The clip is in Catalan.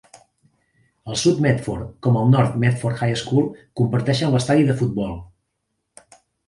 El South Medford com el North Medford High School comparteixen l'estadi de futbol.